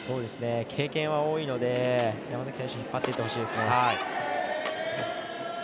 経験は多いので山崎選手引っ張っていってほしいです。